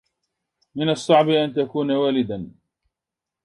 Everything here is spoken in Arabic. من الصعب أن تكون والداً.